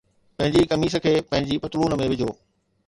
پنھنجي قميص کي پنھنجي پتلون ۾ وجھو